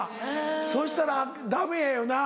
そしたらダメやよな。